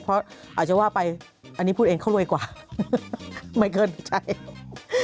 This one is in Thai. เพราะอาจจะว่าไปอันนี้พูดเองเขารวยกว่าไม่เกินใจเอง